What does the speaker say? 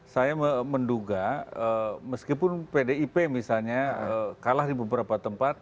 saya menduga meskipun pdip misalnya kalah di beberapa tempat